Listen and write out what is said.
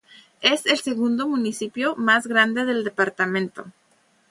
Es el segundo municipio más grande del departamento.